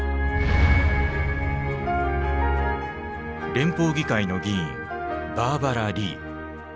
連邦議会の議員バーバラ・リー。